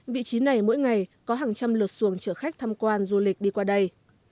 vị trí này mỗi ngày có hàng trăm lượt xuồng chở khách tham quan du lịch đi qua đây